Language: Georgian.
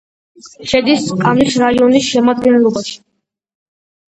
შედის კამის რაიონის შემადგენლობაში.